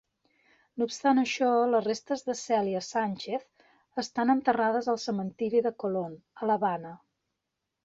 No obstant això, les restes de Celia Sánchez estan enterrades al cementiri de Colón, a l'Havana.